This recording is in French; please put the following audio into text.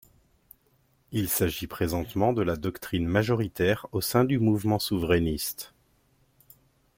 Il s'agit présentement de la doctrine majoritaire au sein du mouvement souverainiste.